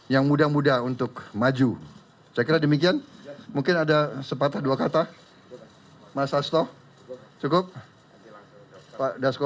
yang mudah mudah untuk maju saya kira demikian mungkin ada sepatah dua kata masas toh cukup